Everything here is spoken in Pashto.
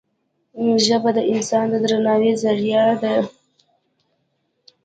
ژبه د انسان د درناوي زریعه ده